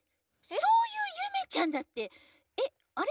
そういうゆめちゃんだってえっあれ？